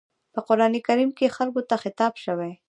په قرآن کريم کې خلکو ته خطاب شوی.